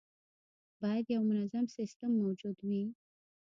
باید یو منظم سیستم موجود وي.